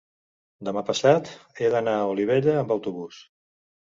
demà passat he d'anar a Olivella amb autobús.